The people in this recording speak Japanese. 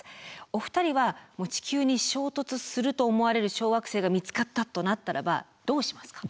お二人は地球に衝突すると思われる小惑星が見つかったとなったらばどうしますか。